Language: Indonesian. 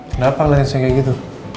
kenapa lah yang segini gitu